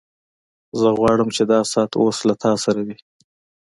زه غواړم چې دا ساعت اوس له تا سره وي